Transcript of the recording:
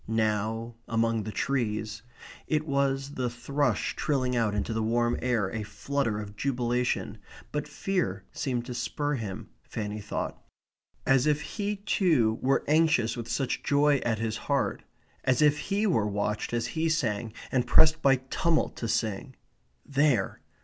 Now, among the trees, it was the thrush trilling out into the warm air a flutter of jubilation, but fear seemed to spur him, Fanny thought; as if he too were anxious with such joy at his heart as if he were watched as he sang, and pressed by tumult to sing. There!